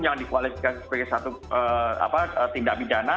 jangan dikualifikasi sebagai satu tindak pidana